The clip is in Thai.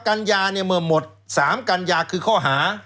กัญญาเนี่ยเมื่อหมด๓กัญญาคือข้อหา